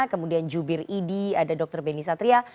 kemudian jubir idi ada dr beni satria